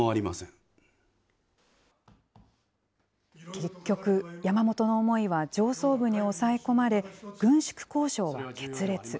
結局、山本の思いは上層部に抑え込まれ、軍縮交渉は決裂。